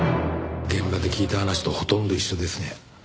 現場で聞いた話とほとんど一緒ですね。